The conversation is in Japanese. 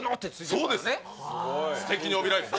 そうです